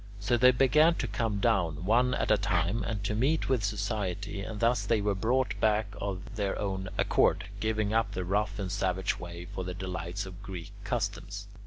So they began to come down, one at a time, and to meet with society, and thus they were brought back of their own accord, giving up their rough and savage ways for the delights of Greek customs.